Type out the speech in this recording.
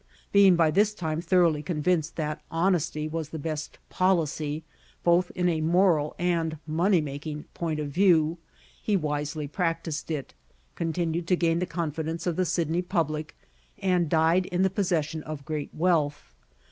Being by this time thoroughly convinced that honesty was the best policy, both in a moral and money making point of view, he wisely practised it, continued to gain the confidence of the Sydney public, and died in the possession of great wealth.